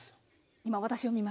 今私を見ましたね。